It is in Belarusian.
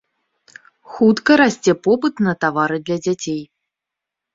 Хутка расце попыт на тавары для дзяцей.